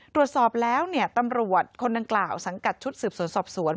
ตรวจสอบแล้วตำรวจคนดังกล่าวสังกัดชุดสืบสวนสอบสวน